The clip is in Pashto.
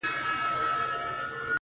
ه یاره ولي چوپ یې مخکي داسي نه وې.